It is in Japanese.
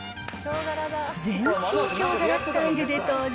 全身ヒョウ柄スタイルで登場。